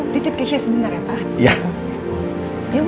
titip keisha sebentar ya pak